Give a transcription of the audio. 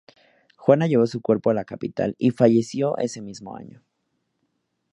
Juana llevó su cuerpo a la capital, y falleció ese mismo año.